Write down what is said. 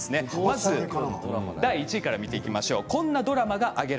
第１位から見ていきましょう。